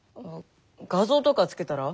画像とか付けたら？